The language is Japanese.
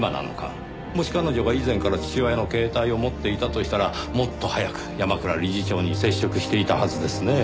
もし彼女が以前から父親の携帯を持っていたとしたらもっと早く山倉理事長に接触していたはずですねぇ。